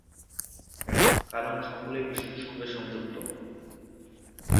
কারণ সকলেই বিষ্ণুর সঙ্গে সংযুক্ত।